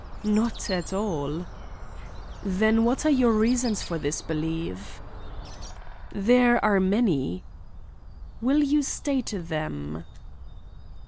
"Not at all." "Then what are your reasons for this belief?" "They are many" "Will you state them?"